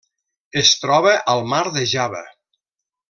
Es troba al Mar de Java.